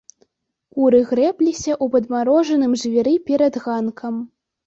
Куры грэбліся ў падмарожаным жвіры перад ганкам.